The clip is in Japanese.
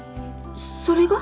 それが？